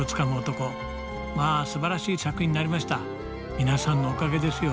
皆さんのおかげですよ